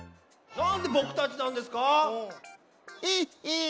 なんでぼくたちなんですか！？へっへん！